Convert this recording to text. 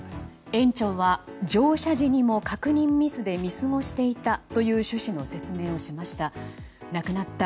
園長は、乗車時にも確認ミスで見過ごしていたという趣旨の説明をしました。